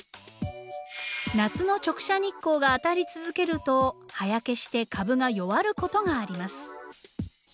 夏の直射日光が当たり続けると葉焼けして株が弱ることがあります。